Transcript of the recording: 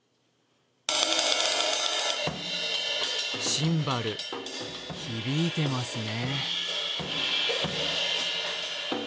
シンバル、響いてますね。